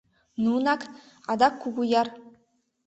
Нунак, адак Кугуяр.